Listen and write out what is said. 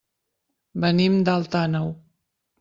Venim d'Alt Àneu.